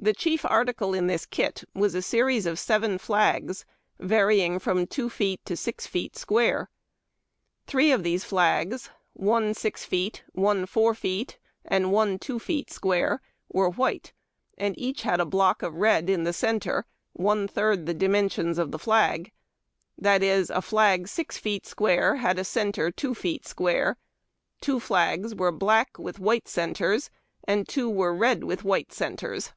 The chief article in this kit was a series of seven flags, varying from two feet to six feet square. Three of these flags, one six feet, one four feet, and one two feet square, were white, and had each a block of red in the centre one third the dimensions of the flag ; that is, a flag six feet square had a centre two feet square ; two flags were black with white centres, and two were red with white centres.